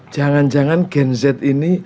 jangan jangan gen z ini